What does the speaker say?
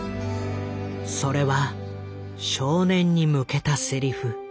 それは少年に向けたセリフ。